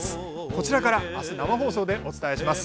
こちらから明日、生放送でお伝えします。